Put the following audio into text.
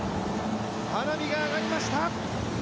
花火が上がりました。